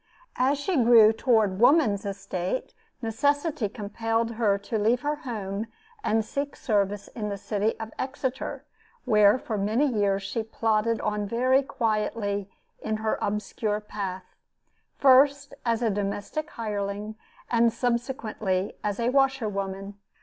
As she grew toward woman's estate, necessity compelled her to leave her home and seek service in the city of Exeter, where for many years, she plodded on very quietly in her obscure path, first, as a domestic hireling, and subsequently as a washer woman.